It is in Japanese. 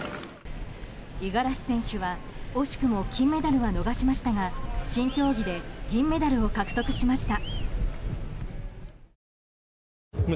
五十嵐選手は惜しくも金メダルは逃しましたが新競技で銀メダルを獲得しました。